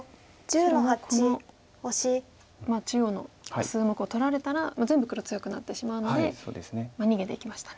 白もこの中央の数目を取られたら全部黒強くなってしまうので逃げていきましたね。